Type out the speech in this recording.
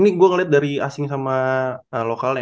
ini gua ngeliat dari asing saja